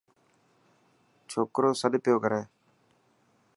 ڇوڪرو سڏ پيو ڪري.